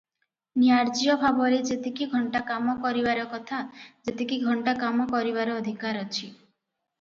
ନ୍ୟାର୍ଯ୍ୟ ଭାବରେ ଯେତିକି ଘଣ୍ଟା କାମ କରିବାର କଥା ଯେତିକି ଘଣ୍ଟା କାମ କରିବାର ଅଧିକାର ଅଛି ।